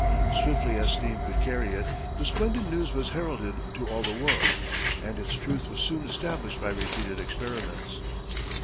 Swiftly as steam could carry it, the splendid news was heralded to all the world, and its truth was soon established by repeated experiments.